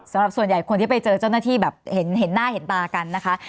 สำหรับส่วนใหญ่คนที่ไปเจอเจ้าหน้าที่แบบเห็นหน้าเห็นตากันนะคะ